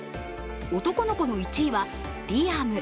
男の子の１位はリアム。